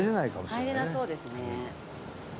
入れなそうですね。